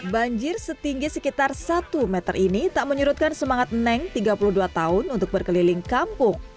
banjir setinggi sekitar satu meter ini tak menyurutkan semangat neng tiga puluh dua tahun untuk berkeliling kampung